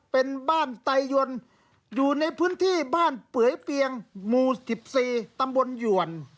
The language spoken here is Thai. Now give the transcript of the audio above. เป็นบ้านไตยนอยู่ในพื้นที่บ้านเปื่อยเปียงหมู่๑๔ตำบลหยวน